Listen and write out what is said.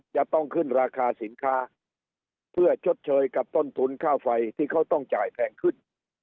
จะต้องขึ้นราคาสินค้าเพื่อชดเชยกับต้นทุนค่าไฟที่เขาต้องจ่ายแพงขึ้น